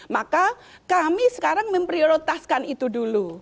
maka kami sekarang memprioritaskan itu dulu